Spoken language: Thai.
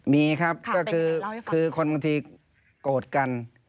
มีครับก็คือคนบางทีโกรธกัน